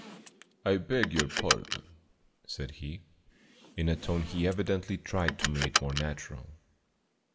"I beg your pardon," said he, in a tone he evidently tried to make more natural.